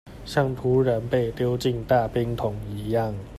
像突然被丟進大冰桶一樣